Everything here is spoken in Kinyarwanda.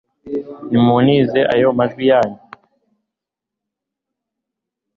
nimuntize ayo majwi yanyu